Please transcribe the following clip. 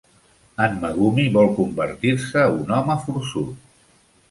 En Megumi vol convertir-se un home forçut.